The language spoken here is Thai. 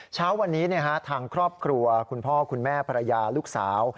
เช้าวันนี้ทางครอบครัวคุณพ่อคุณแม่ภรรยาลูกสาว